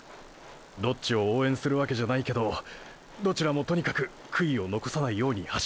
どっちを応援するわけじゃないけどどちらもとにかく悔いを残さないように走ってほしい。